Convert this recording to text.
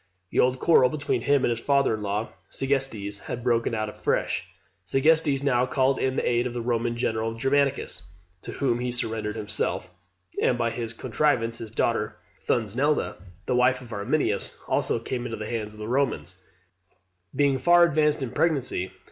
The old quarrel between him and his father in law, Segestes, had broken out afresh. Segestes now called in the aid of the Roman general, Germanicus, to whom he surrendered himself; and by his contrivance his daughter Thusnelda, the wife of Arminius, also came into the hands of the Romans, being far advanced in pregnancy.